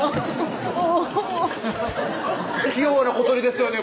おぉ器用な小鳥ですよね